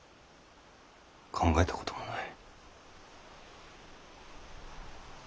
考えたこともない。